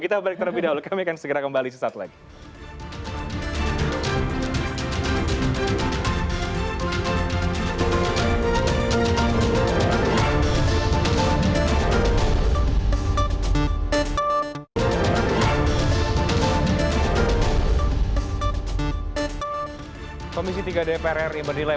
kita balik terlebih dahulu kami akan segera kembali sesaat lagi